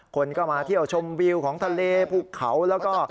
คนก็มาเที่ยวชมวิวของทะเลภูเขาแล้วก็